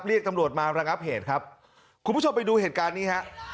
เรียกตำรวจมาระงับเหตุครับคุณผู้ชมไปดูเหตุการณ์นี้ฮะ